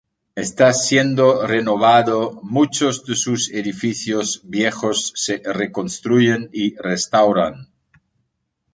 Está siendo renovado, muchos de sus edificios viejos se reconstruyen y restauran.